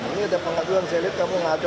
ini ada pengaduan saya lihat kamu mengadu